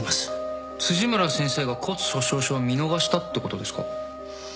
辻村先生が骨粗しょう症を見逃したってことですか？